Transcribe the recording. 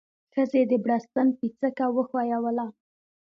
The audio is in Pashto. ښځې د بړستن پيڅکه وښويوله.